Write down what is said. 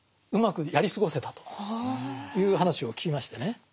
うまくやり過ごせたという話を聞きましてね。